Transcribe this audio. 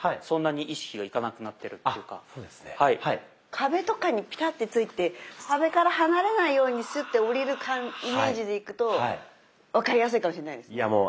壁とかにピタってついて壁から離れないようにスッて下りるイメージでいくと分かりやすいかもしれないですね。